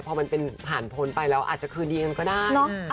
พอมันเป็นผ่านพ้นไปแล้วอาจจะคืนดีกันก็ได้